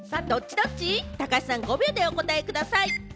ドッチ？、高橋さん５秒でお答えください。